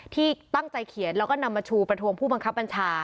ที่ตั้งใจเขียนแล้วก็นำมาชูประทวงผู้บังคับบัญชา